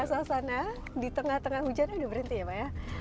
suasana di tengah tengah hujan sudah berhenti ya pak ya